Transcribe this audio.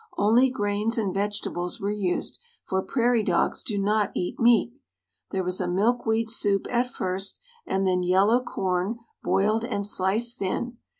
Only grains and vegetables were used, for prairie dogs do not eat meat. There was a milk weed soup at first; and then yellow corn, boiled and sliced thin.